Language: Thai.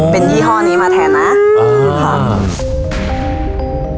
เป็นยี่ห้อนี้มาแทนนะค่ะ